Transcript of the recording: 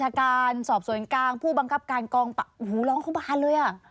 ให้การของภรรยานี้ฟังไม่ได้เลย